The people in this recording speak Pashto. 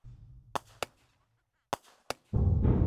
دوی د لرغونو اثارو ساتنه کوي.